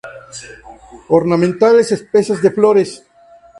Ornamentales: Especies de Flores.